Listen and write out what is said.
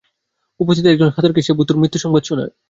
উপস্থিত একজন খদেরকে সে ভূতোর মৃত্যুসংবাদ শোনায়।